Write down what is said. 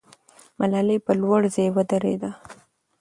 ملالۍ په لوړ ځای کې ودرېدلې ده.